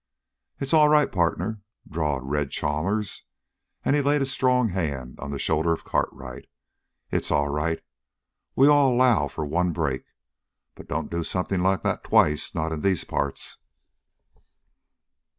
"It's all right, partner," drawled Red Chalmers, and he laid a strong hand on the shoulder of Cartwright. "It's all right. We all allow for one break. But don't do something like that twice not in these parts!"